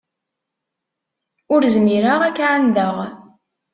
Ur zmireɣ ad k-ɛandeɣ.